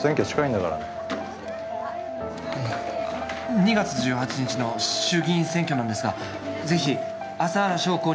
２月１８日の衆議院選挙なんですがぜひ麻原彰晃に。